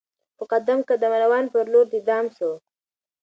په قدم قدم روان پر لور د دام سو